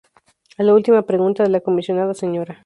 A la última pregunta de la Comisionada Sra.